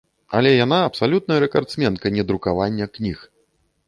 Але яна абсалютная рэкардсменка недрукавання кніг.